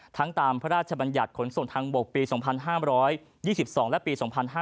ตามพระราชบัญญัติขนส่งทางบกปี๒๕๒๒และปี๒๕๕๙